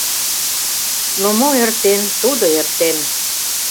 Но, мо эртен, тудо эртен!